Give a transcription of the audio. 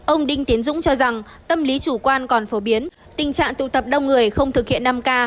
ông đinh tiến dũng cho rằng tâm lý chủ quan còn phổ biến tình trạng tụ tập đông người không thực hiện năm k